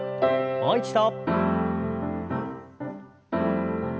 もう一度。